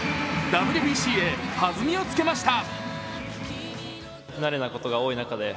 ＷＢＣへ弾みをつけました。